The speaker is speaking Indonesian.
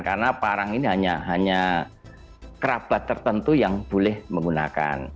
karena parang ini hanya kerabat tertentu yang boleh menggunakan